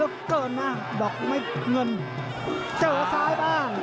ติดตามยังน้อยกว่า